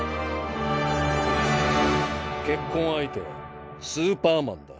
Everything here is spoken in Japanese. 結婚相手はスーパーマンだ。